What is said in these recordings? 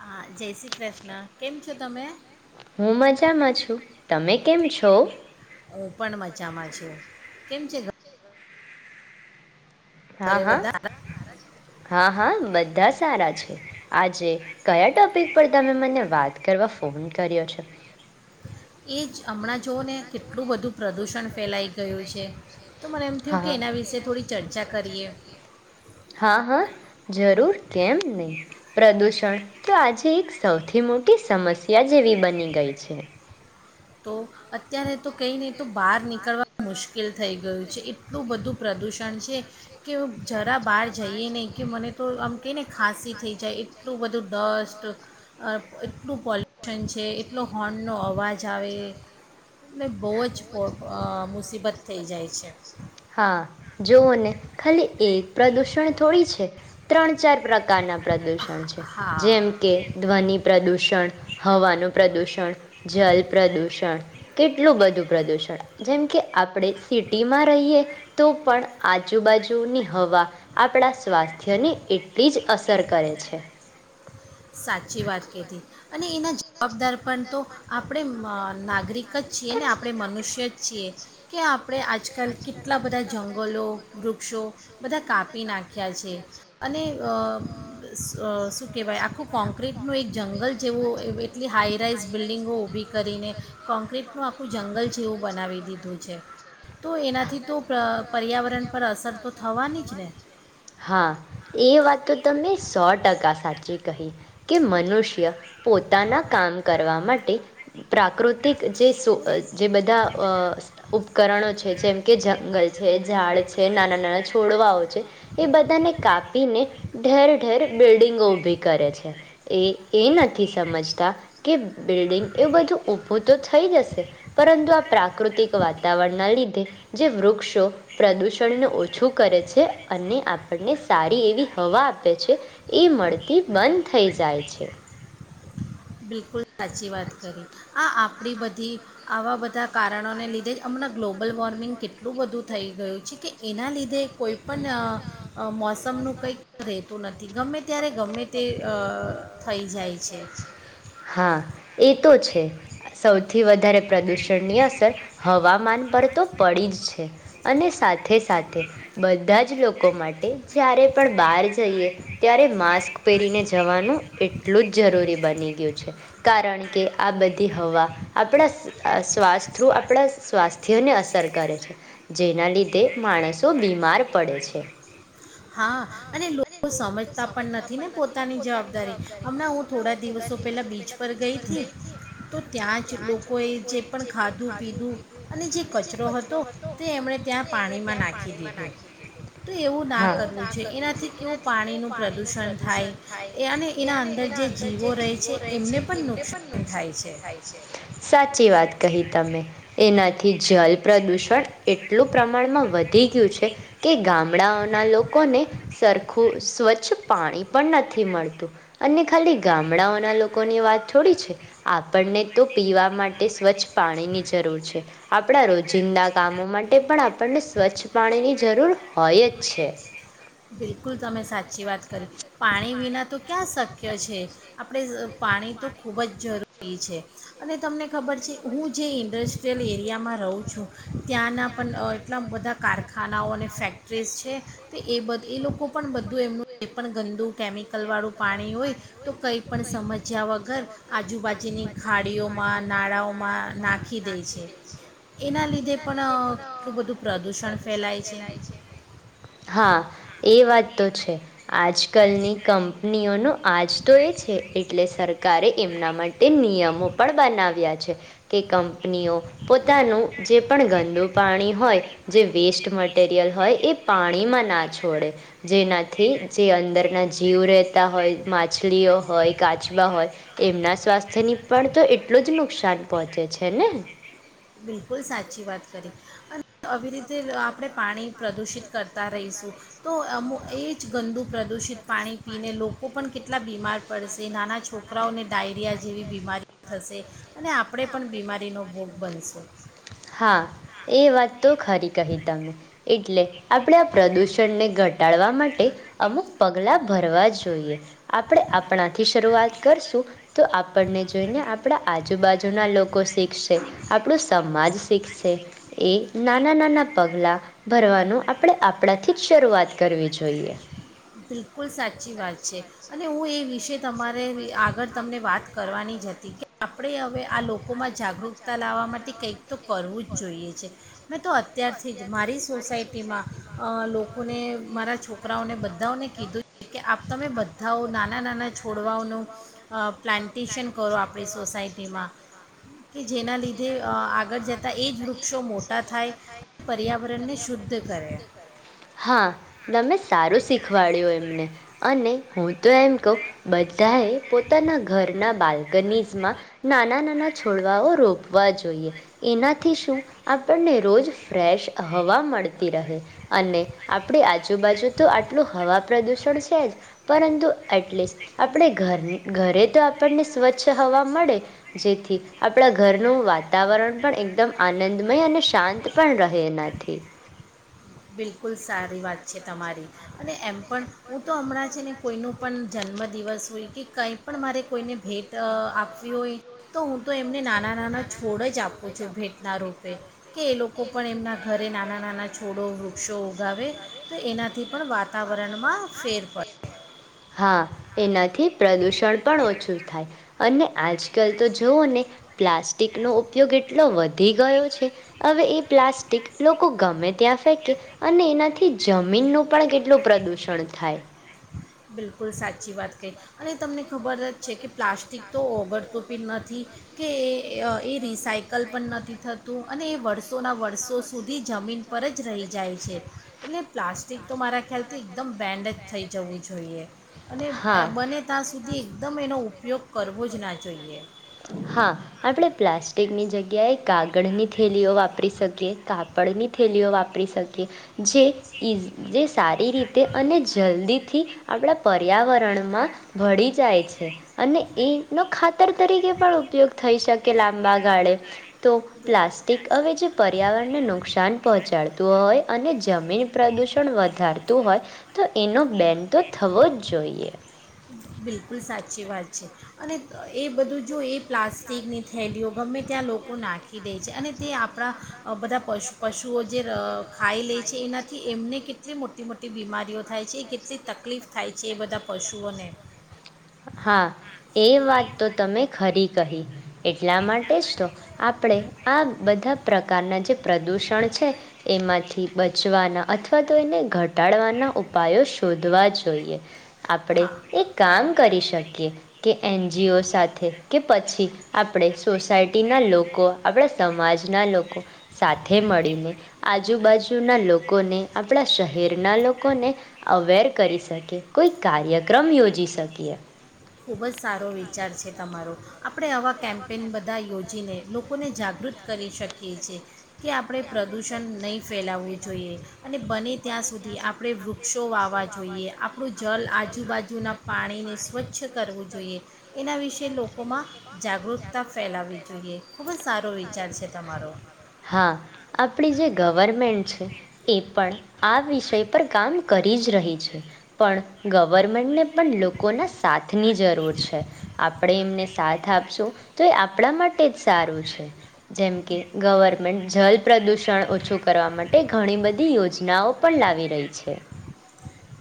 હા જય શ્રી કૃષ્ણ. કેમ છો તમે? હું મજામાં છું. તમે કેમ છો? મજામા છું. કેમ છે ઘ હા, હા, હા, હા બધા સારા છે. આજે કયા ટોપિક પર તમે મને વાત કરવા ફોન કર્યો છે એ જ હમણાં જઓ ને કેટલું બધું [inaudible] પ્રદૂષણ હા. હા. જરૂર કેમ નહી. પ્રદૂષણ તો આજે એક સૌથી મોટી સમસ્યા જેવી બની ગઈ છે. અત્યારે તો કઈ ને તો બહાર નીકળવા મુશ્કેલ થઈ જાય થઈ ગયું છે. એટલું બધું પ્રદૂષણ? કાન છેે. કે જરા બહાર જઈએ નહીં કે મને તો આમ કહીને ખાંસી થઈ જાય એટલું બધું? ડસ્ટ એટલું પોલ્યુશન છે એટલો હોર્નનો અવાજ આવે. [inaudible] હા જોઓ ને ખાલી. એ પ્રદૂષણ થોડી છે. ત્રણ ચાર પ્રકારનાપ્રદૂષણ છે. પ્રદૂષણ છે. જેમ કે ધ્વનિ પ્રદૂષણ હવાનું પ્રદુષણ જ્યારે પ્રદૂષણ. કેટલું બધું પ્રદુષણ? જેમ કે આપણે સિટીમાં રહીએ તો પણ આજુબાજુની હવા આપણા સ્વાસ્થ્યને એટલી જ અસર કરે છે. સાચી વાત કેતી અને એના અપવાદર પણ તો આપણે. માર નાગરિક જ છીએ ને આપણે મનુષ્ય જ છીએ કે આપ આપણે આજ. કલ કેટલા બધા જંગલો. વૃક્ષો. બધા કાપી નાખ્યા છે. અને અ? [inaudible] કેવાઈ [inaudible] આખું? જંગલ જેવું [inaudible] હાઈ રાઈસ બિલ્ડિંગ ઊભીકરીને [inaudible] જંગલ જેવું બનાવી દીધું છે એનાથી તો પર્યાવરણ પર અસર તો થવાની જ ને. હા એ વાત તો તમે સો ટકા સાચી. જે કહી કે મનુષ્ય પોતાના કામ કરવા માટે. પ્રાકૃતિક જે સુકુન. જે બધા ઉપકરણો છે જેમ કે જંગલ છે. ઝાડ છે. નાના નાના છોડવાઓ છે. એ બધાને કાપીને ઢેર. ઢેર. બિલ્ડીંગો ઉભી. કરે છે એ એ નથી સમજતા કે બિલ્ડિંગ એવું બધું ઊભું તો થઈ જશે પરંતુ આ પ્રાકૃતિક વાતાવરણના લીધે જે વૃક્ષો પ્રદૂષણને ઓછું કરે છે અને આપણને સારી એવી હવા આપે છે એ મળે. થી બંધ થઈ જાય છે બિલકુલ સાચી વાત કરી આ આપણી બધી આવા બધા કારણને લીધે જ હમણાં ગ્લોબલ વોર્મિંગ કેટલું બધું થઈ ગયું જોકે એના લીધ તે કોઈ પણણ મોસમનું કંઈક રહેતું નથી ગમે ત્યારે ગમે તે થઈ જાય છે હા એ તો છે સૌ સૌથી વધારે પ્રદૂષણની અસર હવામાન પર તો પડી જ છે અને સાથે સાથે બધા જ આ લોકો માટે જ્યારે પણ બહાર જઈએ ત્યારે માસ્ક પહેરીને જવાનું એટલું જ જરૂરી બની ગયું છે કારણ કે આ બધી હવા આપણા સ્વાસ્થુ આપણા સ્વાસ્થ્યને અસર કરે છે જેના લીધે માણસો બીમા માર પડે છે હા અને લોકો સમજતા પણ નથી ને પોતાની જવાબદારી હમણાં હું થોડા દિવસો પહેલા બીચ પર ગઈ હતી તો ત્યાં જ લોકોએ જે પણ ખાધું પીધું અને જે કચરો હતો તે એમણે ત્યાં પાણીમાં નાખી દીધો તો એવું ના એનાથી પાણીનું પ્રદુણ થાય એના જીવો છે એને પણ નુકાન થાય છે સાચી વાત કહી તમે એનાથી જલ પ્રદુષણ એટલું પ્રમાણમાં વધી ગયું છે ગામડાઓના લોકોને સરખું સ્વચ્છ પાણી પણ નથી મળતું અને ખાલી ગામડાઓના લોકોની વાત થોડી છે આપણને તો પીવા માટે સ્વચ્છ પાણીની જરૂર છે આપણા રોજિંદા કામો માટે પણ આપણને સ્વચ્છ પાણીની જરૂર હોય જ છે બિલકુલ તમે સાચી વાત કરી પાણી વિના તો ક્યાં શક્ય છે આપણે પાણી તો ખૂબ જ જરૂરી છે અને તમને ખબર છે હું જે ઇન્ડસ્ટ્રીયલ એરિયા માં રહું છું ત્યાંના પણ એટલા બધા કારખાનાઓ અને ફેક્ટરીઝ છે તે એ બધ એ લોકો પણ બધું એમનું એ પણ ગંદુ કેમિકલવાળું પાણી હોય તો કંઈ પણ સમસ્યા વગર આજુબાજુની ખાડીઓમાં નાળાઓમાં નાખી દે છે એના લીધે પણ હા [inaudible] હા એવ તો છે આજ કલની કંપની નિ ઓ આજ તો એ છે એટલે સરકારે એમના માટે તે નિયમો પણ બનાવ્યા છે કે કમ પનીઓ પોતાનું જે પણ ગંદુક હોય જે વેસ્ટ મટીરિયલ હોય એ પાણીમાં ના છોડે જેનાથી જે અંદરના જીવ રહેતા હોય માછલીઓ હોય કાચબા હોય એમના સ્વાસ્થ્યની પણ તો એટલું જ નુકસાન અને પચે છે ને બિલકુલ સાચી વાત કરી અને આવી રીતે આપણે પાણી પ્રદૂષિત કરતા રહીશું પાણી પીને લોકો પણ કેટલા બીમાર પડશે નાના છોકરાઓને ડાયરિયા જેવી બીમારી થશે આપણે પણ બીમારીનો ન હોન બેસો એ વાત તો ખરી કહી તમે એટલે આપણે આ પ્રદૂષણને ઘટાડવા માટે અમુક પગલાં ભરવા જોઈએ આપણે આપણાથી શરૂઆત કરીશું તો આપણને જોઈને આપણા આજુબાજુના લોકો શીખશે આપણું સમાજ શીખશે એ નાના નાના પગલા ભરવાનું આપણે આપણાથી જ શરૂઆત કરવી જોઈએ બિલકુલ સાચી વાત છે અને હું એ વિશે તમારે આ અગર તમને વાત કરવાની જતી કે આપણે વે આલોક લોકોમાં જાગૃકતા લાવવા માટે કંઈક તો કરવું જ જોઈએ છે મેં તો અત્યારથી જ મારી સોસાયટીમાં લોકોને મારા છોકરાઓને બધા કધું કે તમે બધાઓ નાના નાના છોડવાઓનું પ્લાન્ટેશન કરો આપણી સોસાયટીમાં કે જેના લીધે આગળ જતા એ જ વૃક્ષો મોટા થાય હા તમે સારું શીખ ખવાડ્યો એમને અને હું તો એમ કહું બધાએ પોતાના ઘરના બાલ્કનીઝમાં નાના નાના છોડવાઓ રોપવા જોઈએ એનાથી શું આપણને રોજ ફ્રેશ હવા મળતી રહે અને આપણી આજુબાજુ તો આટલું હવા પ્રદૂષણ છે જ પરંતુ એટલીસ્ટ આપણે ઘર ઘરે તો આપણને સ્વચ્છ હવા મળે જેથી આપણા ઘરનું વાતાવરણ પણ એકદમ આનંદમય અને શાંત પણ રહે એનાથી. બિલકુલ સારી વાત છે તમારી અને એમ પણ હું તો હમણાં છે ને કોઈનું પણ જન્મ દિવસ હોય કે કંઈ પણ મારે કોઈને ભેટ આપવી હોય તો હું તો એમને નાના વૃક્ષો ઉગાવે તો એનાથી પણ વાતાવરણમાં ફેર પડે હા એનાથી પ્રદૂષણ પણ ઓછું થાય અને આજકાલ તો હા એનાથી પ્રદુષણ પણ ઓછું થાય અને આ જ કરતો જુઓ ને પ્લાસ્ટિકનો ઉપયોગ એટલો વધી ગયો છે હવે એ પ્લાસ્ટિક લોકો ગમે ત્યાં ફેંકે અને એનાથી જમીનનું પણ કેટલું પ્રદૂષણ થાય બિલકુલ સાચી વાત કહી અને તમને ખબર જ છે કે પ્લાસ્ટિક તો ઓગળતુંપી નથી કે એ એ રિસાયક કલ્પન નથી થતું અને એ વર્ સોનવડ બસો સુધી જમીન પર જ રહી જાય છ છે એટલે પ્લાસ્ટિક તો મારા ખ્યાલતી એકદમ બેન્ડ જ થઈ જવું જોઈએ અને બને ત્યાં સુધી એકદમ એનો ઉપ યોગ કરવો જ ના જોઈએ. હા આપણે પ્લાસ્ટિકની જગ્યાએ કાગ ળ ની થેલીઓ વાપરી શક કે કાપડની થેલીઓ વાપરી શકીએ જે ઈઝ જે સારી રીતે અને જલ્દીથી આપણા પર્યાવરણમાં ભળી જાય છે અને એનો ખાતર તરીકે પણ ઉપયોગ થઈ શકે લાંબા ગાળે તો પ્લાસ્ટિક હવે જે પર્યાવરણને નું નુકસાન પહોંચાડતું હોય અને જમીન પ્રદૂષણ વધારતું હોય તો એનો બેન તો થવો જ જોઈએ. બિલકુલ સાચી વાત છે અને એ બધું જો એ પ્લાસ્ટિકની થેલીઓ ગમે ત્યાં લોકો નાખી દે છે અને તે આપણા બધા પશ પશુઓ જે અ ખાઈ લે છે એનાથી એમને કેટલી મોટી મોટી કેટલી બીમારીઓ થાય છે એ કેટલી તકલીફ થાય છે એ બધા પશુઓને. હા એ વાત તો તમે ખરી કહી. એટલા માટે જ તો આપણે આ બધા પ્રકારના જે પ્રદૂષણ છે એમાંથી થી બચવાના અથવા તો એને ઘટાડવાના ઉપાયો શોધવા જોઈએ. આપણે એ કામ કરી શકીએ કે એન જી ઓ સાથે કે પછી આપણે સોસાયટીના લોકો આપણા સમાજના લોકો સાથે મળીને આજુબાજુના લોકોને આપણા શહેરના લોકોને અવેર કરી શકીએ કોઈ કાર્યક્રમ યોજી શક ઈ એ. ખૂબ જ સારો વિચાર છે તમારો. આપણે આવા કેમ્પેન બધા યોજીને લોકોને જાગૃત કરી શકીએ છીએ કે આપણે પ્રદૂષણ નહીં ફેલાવું જોઈએ. અને બને ત્યાં સુધી આપણે વૃક્ષો વાવવા જોઈએ, આપણું જલ, આજુબાજુના પાણીને સ્વચ્છ હા આપણી જે ગવર્મેન્ટ છે એ પણ આ વિષય પર કામ કરી જ રહી છે, પણ ગવર્મેન્ટને પણ લોકો ના સાથની જરૂર છે. આપણે એમને સાથ આપશું તો એ આપણા માટ ટે જ સારું છે. જેમ કે ગવર્મેન્ટ જલ પ્રદૂષણ ઓછું કરવા માટે ઘણી બધી યોજ નાઓ પણ લાવી રહી છે.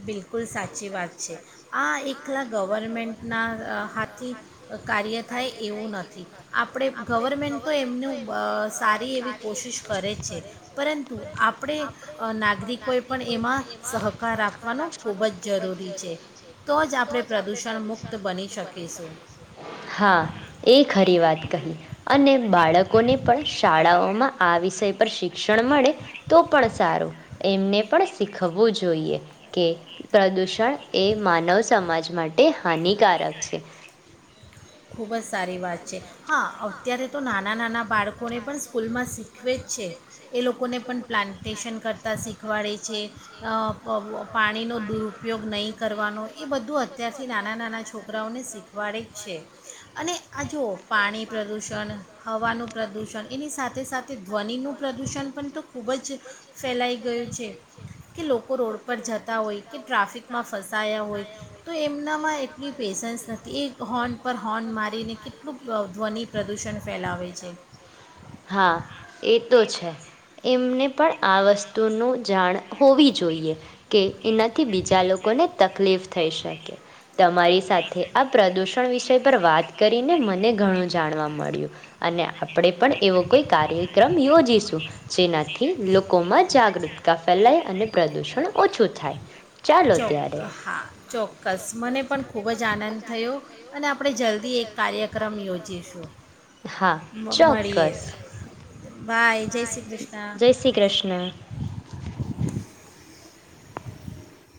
બિલકુલ સા ચી વાત છે. આ એ એટલા ગવર્મેન્ટના હાથી કાર્ય થાય એવું નથી, આપણે ગવર્મેન્ટ તો એમનું અહ સારી એવી કોશિશ કરે છે, પરંતુ આપણે નાગરિકોએ પણ એમાં સહકાર આપ વાનું ખૂબ જ જરૂરી છે, તો જ આપણે પ્રદૂષણ મુક્ત બની શકીશું. હા, એ ખરી વાત કહી. અને બાળકોને પણ શાળાઓમાં આ વિષય પર શિક્ષણ મળે તો પણ સારું એમને પણ શીખવવું જોઈએ કે પ્રદૂષણ એ માનવ સમાજ માટે હાનિકારક છે. ખૂબ જ સારી વાત છે હા અત્યારે તો નાના નાના બાળકોને પણ સ્કૂલમાં શીખવે જ છે એ લોકોને પણ પ્લાન્ટેશન કરતાં શીખવાડે છે પાણીનો દુરુપયોગ નહીં કરવાનો એ બધું ત્યારથી નાના નાના છોકરાઓને શીખ. વળેછેે. અને આ જો પાણી પ્રદુષણ હવાનું પ્રદુષણ એની સાથે સાથ તે ધ્વનિનું પ્રદૂષણ પણ તો ખૂબ જ ફેલાઈ ગયું છે કે લોકો રોડ પર જતા હોય કે ટ્રાફિકમાં ફસાયા હોય તો એમનામાં એટલી પેશન્સ નથી એ હોર્ન એ તો છે એમને પણ આ વસ્તુનું જાણ હોવી જોઈએ કે એનાથી બીજા લોકોને તકલીફ થઈ શકે. તમારી સાથે આ પ્રદુષણ પર વિષય પર વાત કરીને મને ઘણું જાણવા મળ્યું અને આપ પણે પણ એવો કોઈ કાર્ય ક્રમ યોજીશું જેનાથી લોકોમાં જાગૃતતા ફેલાય અને પ્રદુષણ ઓછું થાય. ચોક્ક હા ચોક્કસ મને પણ ખૂબ જ આનંદ થયો અને આપણે જલ્દી એક કાર્યક્રમ યોજીશું મળીએ. જય શ્રી કૃષ્ણ.